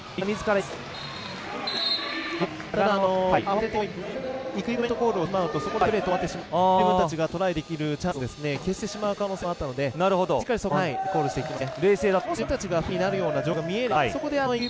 慌ててイクイップメントコールをしてしまうと、そこでプレーが止まってしまって自分たちがトライできるチャンスを消してしまう可能性もあったのでしっかり、そこは待ってコールしていきましたね。